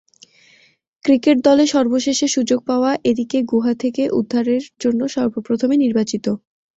Cricket দলে সর্বশেষে সুযোগ পাওয়া এদিকে গুহা থেকে উদ্ধারের জন্য সর্বপ্রথমে নির্বাচিত।